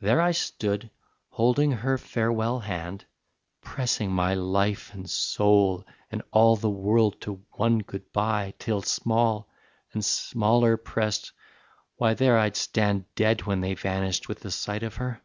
There I stood, holding her farewell hand, (Pressing my life and soul and all The world to one good bye, till, small And smaller pressed, why there I'd stand Dead when they vanished with the sight of her).